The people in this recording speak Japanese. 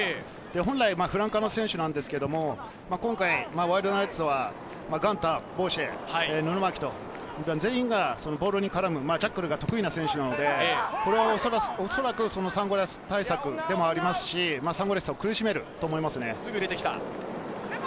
本来、フランカーの選手ですが、今回ワイルドナイツは、ガンター、ボーシェー、布巻、全員がボールに絡むジャッカルが得意な選手なので、おそらくサンゴリアス対策でもありますし、苦しめると思いますね。